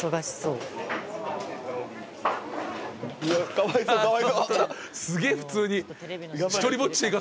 かわいそうかわいそう！